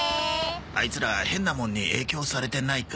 アイツら変なもんに影響されてないか？